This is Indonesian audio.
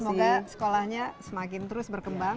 semoga sekolahnya semakin terus berkembang